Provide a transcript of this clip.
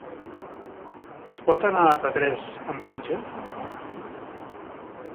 Es pot anar a Petrés amb cotxe?